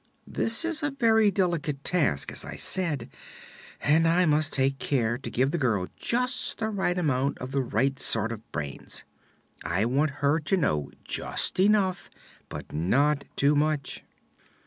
This is a very delicate task, as I said, and I must take care to give the girl just the right quantity of the right sort of brains. I want her to know just enough, but not too much."